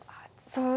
そう